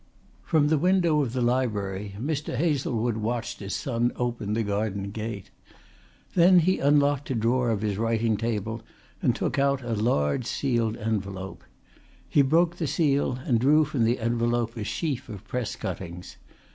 From the window of the library Mr. Hazlewood watched his son open the garden gate. Then he unlocked a drawer of his writing table and took out a large sealed envelope. He broke the seal and drew from the envelope a sheaf of press cuttings.